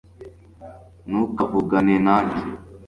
ntukavugane nanjye